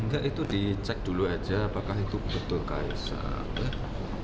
enggak itu dicek dulu aja apakah itu betul kaisang